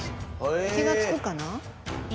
気がつくかな？え？